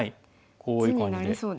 こういう感じで。